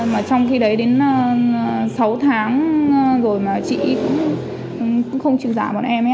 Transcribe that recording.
mà trong khi đấy đến sáu tháng rồi mà chị cũng không chịu giả bọn em ấy ạ